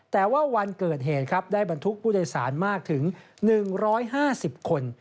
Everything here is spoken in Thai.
แต่ว่าวันเกิดเหตุครับได้บรรทุกผู้โดยสารมากถึง๑๕๐คน